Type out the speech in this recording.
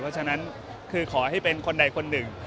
เพราะฉะนั้นคือขอให้เป็นคนใดคนหนึ่ง